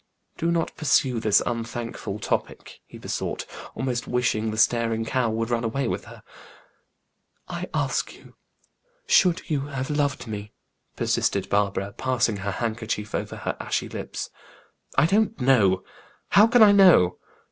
"Do not pursue this unthankful topic," he besought, almost wishing the staring cow would run away with her. "I ask you, should you have loved me?" persisted Barbara, passing her handkerchief over her ashy lips. "I don't know. How can I know?